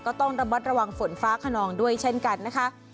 ก็ต้องระมัดระวังฝนฟ้าขนองด้วยเช่นกันนะคะ